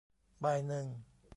บ่ายหนึ่ง